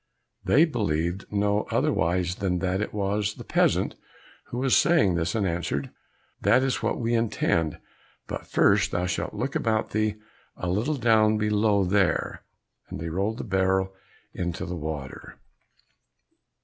They believed no otherwise than that it was the peasant who was saying this, and answered, "That is what we intend, but first thou shalt look about thee a little down below there," and they rolled the barrel down into the water.